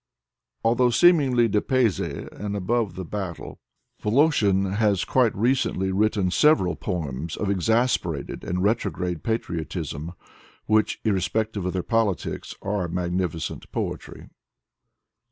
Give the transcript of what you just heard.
Although seemingly dipaysi and above the battle, Voloshin has quite recently written several poems of exasperated and retrograde patriotism, which, irrespective of their politics, are magnificent poetry.